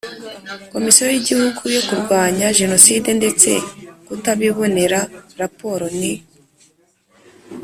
Komisiyo y Igihugu yo kurwanya Jenoside ndetse tukabibonera raporo ni